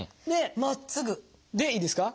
まっすぐ！でいいですか？